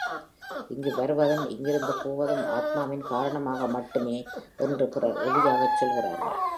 இங்கு வருவதும் இங்கிருந்து போவதும் ஆத்மாவின் காரணமாக மட்டுமே என்று பிறர் உறுதியாகச் சொல்வார்கள்.